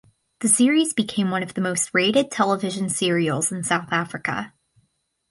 The series became one of the most rated television serials in South Africa.